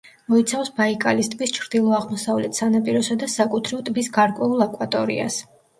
მოიცავს ბაიკალის ტბის ჩრდილო-აღმოსავლეთ სანაპიროსა და საკუთრივ ტბის გარკვეულ აკვატორიას.